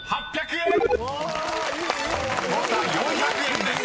［誤差４００円です］